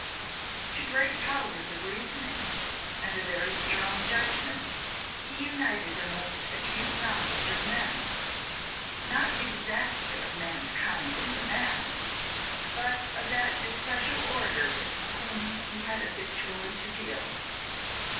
To great powers of reasoning and a very strong judgment he united a most acute knowledge of men; not exactly of mankind in the mass, but of that especial order with whom he had habitually to deal.